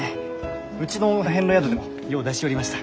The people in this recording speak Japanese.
うちの遍路宿でもよう出しよりました。